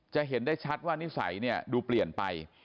เห็นได้ชัดว่านิสัยเนี่ยดูเปลี่ยนไป